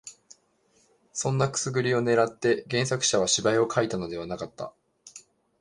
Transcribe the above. そんなくすぐりを狙って原作者は芝居を書いたのではなかった